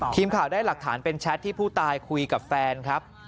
ทีมข่าวได้หลักฐานเป็นแชทที่ผู้ตายคุยกับแฟนครับ